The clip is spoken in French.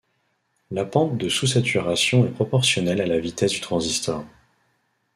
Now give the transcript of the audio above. La pente de sous-saturation est proportionnelle à la vitesse du transistor.